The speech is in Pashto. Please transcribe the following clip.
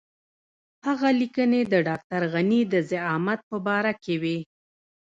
هغه لیکنې د ډاکټر غني د زعامت په باره کې وې.